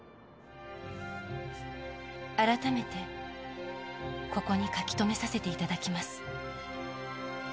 「改めてここに書き留めさせていただきます」